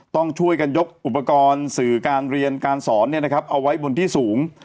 ต้องช่วยกันยกอุปกรณ์สื่อการเรียนการสอนเอาไว้บนที่สูง